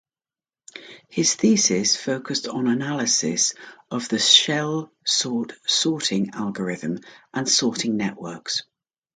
His thesis focused on analysis of the shellsort sorting algorithm and sorting networks.